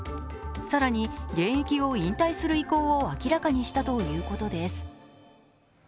更に、現役を引退する意向を明らかにしたということです。